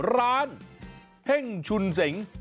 ร้านเฮ่งชุนเสง